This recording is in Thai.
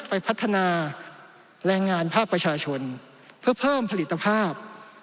ไปพัฒนาแรงงานภาคประชาชนเพื่อเพิ่มผลิตภาพ